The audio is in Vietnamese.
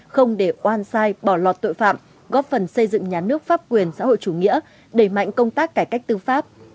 không để oan sai bỏ lọt tội phạm góp phần xây dựng nhà nước pháp quyền xã hội chủ nghĩa đẩy mạnh công tác cải cách tư pháp